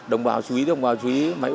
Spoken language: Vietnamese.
đồng bào chú ý đồng bào chú ý